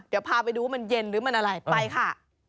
เดี๋ยวพาไปดูว่ามันเย็นหรือมันอะไรไปค่ะ